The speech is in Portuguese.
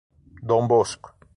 Dom Bosco